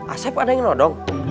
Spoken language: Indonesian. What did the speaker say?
asep ada yang nodong